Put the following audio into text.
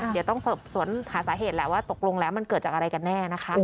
เดี๋ยวต้องสอบสวนหาสาเหตุแหละว่าตกลงแล้วมันเกิดจากอะไรกันแน่นะคะ